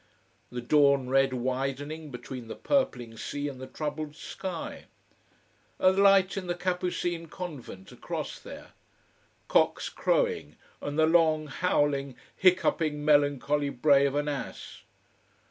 The dawn red widening, between the purpling sea and the troubled sky. A light in the capucin convent across there. Cocks crowing and the long, howling, hiccuping, melancholy bray of an ass.